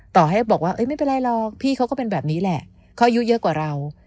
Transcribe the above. ต่อให้บอกว่าไม่เป็นไรหรอกพี่เขาก็เป็นแบบนี้แหละเขาอายุเยอะกว่าเรา